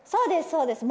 そうです